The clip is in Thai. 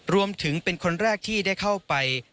รวมถึงเป็นคนแรกที่ได้เข้าไป